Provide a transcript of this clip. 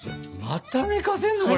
また寝かせるのこれ？